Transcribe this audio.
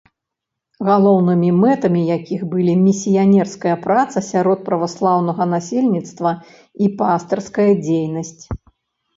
Галоўнымі мэтамі якіх былі місіянерская праца сярод праваслаўнага насельніцтва і пастырская дзейнасць.